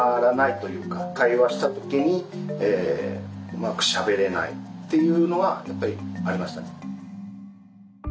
というか会話した時にうまくしゃべれないっていうのはやっぱりありましたね。